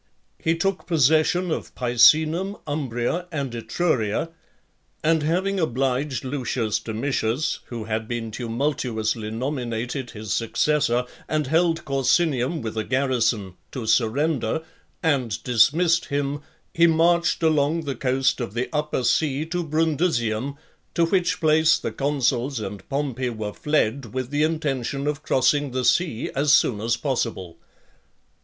He took possession of Picenum, Umbria, and Etruria; and having obliged Lucius Domitius, who had been tumultuously nominated his successor, and held Corsinium with a garrison, to surrender, and dismissed him, he marched along the coast of the Upper Sea, to Brundusium, to which place the consuls and Pompey were fled with the intention of crossing the sea as soon as possible.